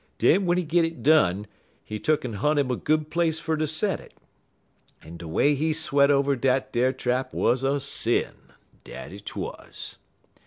Den w'en he git it done, he tuck'n hunt 'im a good place fer ter set it, en de way he sweat over dat ar trap wuz a sin dat 't wuz.